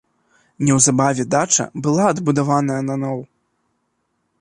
Неўзабаве дача была адбудаваная наноў.